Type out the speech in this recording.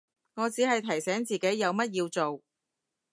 我只係提醒自己有乜要做